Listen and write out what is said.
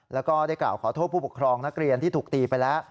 แล้วก็ได้กล่าวขอโทษผู้ปกครองนักเรียนที่ถูกตีไปแล้ว